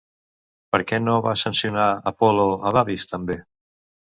Per què no va sancionar Apol·lo a Babis també?